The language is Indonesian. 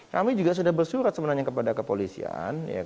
kami juga sudah bersurat sebenarnya kepada kepolisian